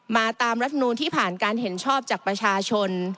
ตามรัฐมนูลที่ผ่านการเห็นชอบจากประชาชน